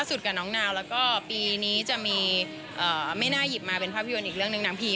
ช่วยสุดกับน้องนาวแล้วก็ปีนี้จะมีเอ่อเป็นภาพยนตร์อีกึงนางพรี